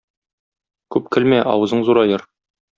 Күп көлмә, авызың зураер.